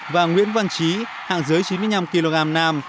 và nguyễn văn trí hạng dưới chín mươi năm kg nam